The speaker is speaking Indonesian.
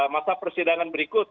masa persidangan berikut